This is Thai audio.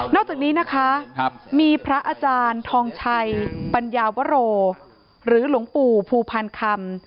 อกจากนี้นะคะมีพระอาจารย์ทองชัยปัญญาวโรหรือหลวงปู่ภูพานคำ